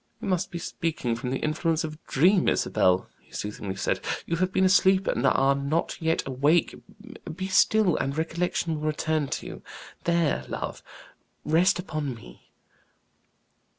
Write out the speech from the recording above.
"You must be speaking from the influence of a dream, Isabel," he soothingly said; "you have been asleep and are not yet awake. Be still, and recollection will return to you. There, love; rest upon me."